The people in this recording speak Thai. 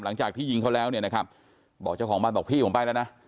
หลังจากที่ยิงเขาแล้วเนี่ยนะครับบอกเจ้าของบ้านบอกพี่ผมไปแล้วนะ